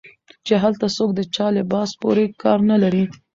چې هلته څوک د چا لباس پورې کار نه لري